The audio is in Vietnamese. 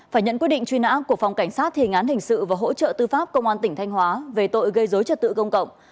phải nhận quyết định truy nã của phòng cảnh sát thề ngán hình sự và hỗ trợ tư pháp công an tỉnh thanh hóa về tội gây dối trật tự công cộng